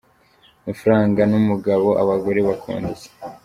Amafaranga n’umugabo, abagore bakunda iki?